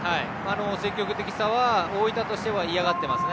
積極さは、大分としては嫌がっていますね。